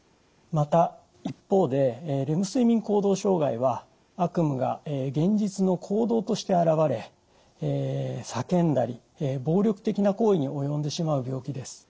また一方でレム睡眠行動障害は悪夢が現実の行動として現れ叫んだり暴力的な行為に及んでしまう病気です。